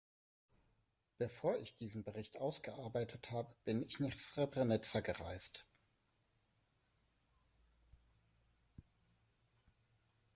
Bevor ich diesen Bericht ausgearbeitet habe, bin ich nach Srebrenica gereist.